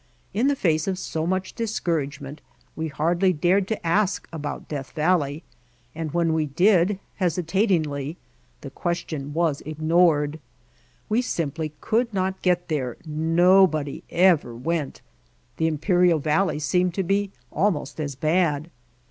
In the face of so much dis couragement we hardly dared to ask about Death Valley and when we did, hesitatingly, the ques tion was ignored. We simply could not get there, nobody ever went. The Imperial Valley seemed to be almost as bad.